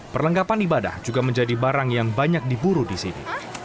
perlengkapan ibadah juga menjadi barang yang banyak diburu di sini